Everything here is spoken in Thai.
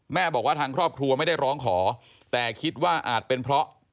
บอกว่าทางครอบครัวไม่ได้ร้องขอแต่คิดว่าอาจเป็นเพราะ